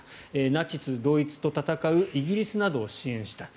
ナチス・ドイツと戦うイギリスなどを支援した。